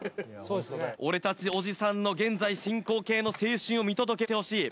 俺たちおじさんの現在進行形の青春を見届けてほしい。